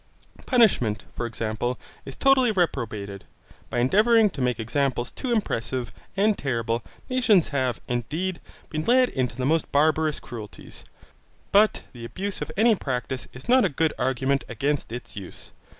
Punishment, for example, is totally reprobated. By endeavouring to make examples too impressive and terrible, nations have, indeed, been led into the most barbarous cruelties, but the abuse of any practice is not a good argument against its use.